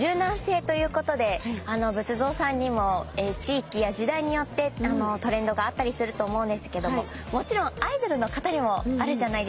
仏像さんにも地域や時代によってトレンドがあったりすると思うんですけどももちろんアイドルの方にもあるじゃないですか。